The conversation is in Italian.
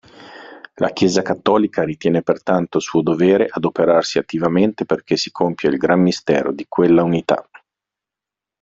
La chiesa cattolica ritiene pertanto suo dovere adoperarsi attivamente perché si compia il gran mistero di quell'unità.